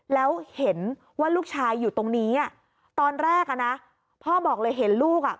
แล้วเห็นว่าลูกชายอยู่ตรงนี้อ่ะตอนแรกอ่ะนะพ่อบอกเลยเห็นลูกอ่ะ